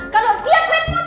kalau dia wet not